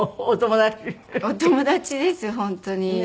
お友達です本当に。